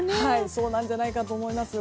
そうなんじゃないかと思います。